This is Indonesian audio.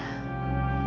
dia bukan anissa